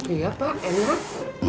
iya pak enak